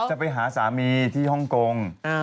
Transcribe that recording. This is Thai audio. จะไปหาสามีที่ฮ่องกง